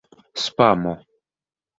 spamo